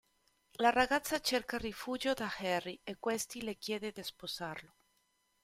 La ragazza cerca rifugio da Harry e questi le chiede di sposarlo.